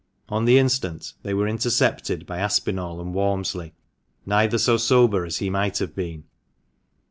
On the instant they were intercepted by Aspinall and Walmsley, neither so sober as he might have been.